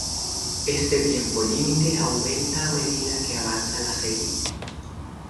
Este tiempo límite aumenta a medida que avanza la serie.